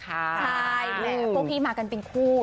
ใช่แหมพวกพี่มากันเป็นคู่